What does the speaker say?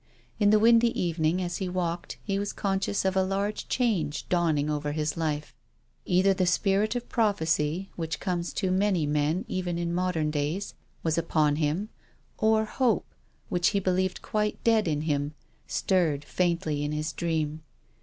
In the windy evening as he walked, he was con scious of a large change dawning over his life. Either the spirit of prophecy — which comes to many men even in modern days — was upon him, or hope, which he believed quite dead in him, stirred faintly in his dream.